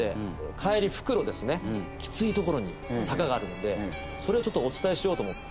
帰り復路ですねきつい所に坂があるのでそれをちょっとお伝えしようと思って。